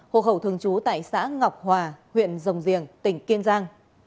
hộ khẩu thường trú tại xã ngọc hòa huyện rồng riềng tỉnh kiên giang